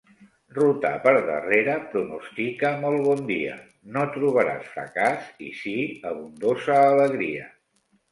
Rotar per darrere pronostica molt bon dia; no trobaràs fracàs, i sí abundosa alegria.